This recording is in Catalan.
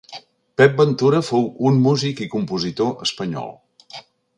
Pep Ventura fou un músic i compositor espanyol.